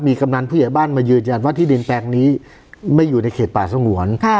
กำนันผู้ใหญ่บ้านมายืนยันว่าที่ดินแปลงนี้ไม่อยู่ในเขตป่าสงวน